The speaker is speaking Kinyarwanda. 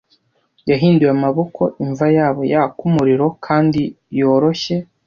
yahinduye amaboko imva yabo yaka umuriro kandi yoroshye